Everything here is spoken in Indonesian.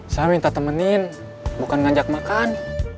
saya minta temenin bukan ngajak makan